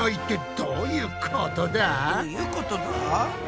どういうことだ？